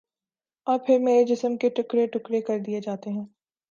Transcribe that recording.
اور پھر میرے جسم کے ٹکڑے ٹکڑے کر دیے جاتے ہیں